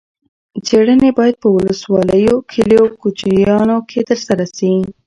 څېړنې باید په ولسوالیو، کلیو او کوچیانو کې ترسره شي.